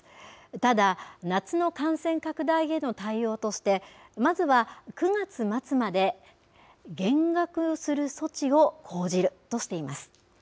ただ、夏の感染拡大への対応として、まずは９月末まで減額する措置を講じるとしています。